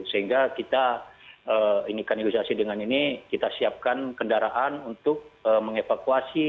sehingga kita ini kan negosiasi dengan ini kita siapkan kendaraan untuk mengevakuasi